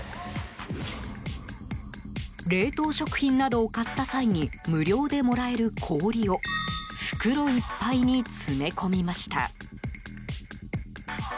冷凍食品などを買った際に無料でもらえる氷を袋いっぱいに詰め込みました。